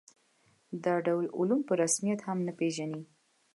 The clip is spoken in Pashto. دا ډول علوم په رسمیت هم نه پېژني.